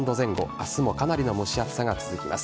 明日もかなりの蒸し暑さが続きます。